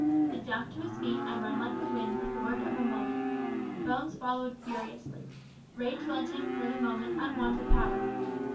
To jump to his feet and run like the wind was the work of a moment. Bones followed furiously. Rage lent him for the moment unwonted power.